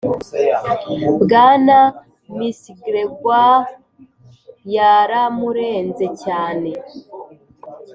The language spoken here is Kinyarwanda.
bwana mcgregor yaramurenze cyane